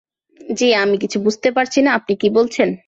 জি আমি কিছু বুঝতে পারছি না আপনি কি বলছেন।